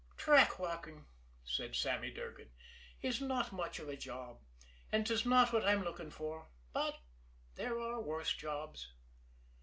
"Track walking," said Sammy Durgan, "is not much of a job, and 'tis not what I'm looking for, but there are worse jobs."